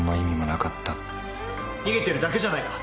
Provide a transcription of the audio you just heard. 逃げているだけじゃないか。